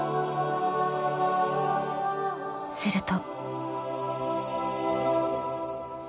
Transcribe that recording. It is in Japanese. ［すると］